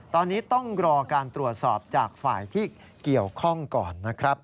ตอนนี้ต้องรอการตรวจสอบจากฝ่ายที่เกี่ยวข้องก่อนนะครับ